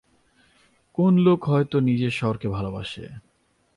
কোন লোক হয়তো নিজের শহরকে ভালবাসে।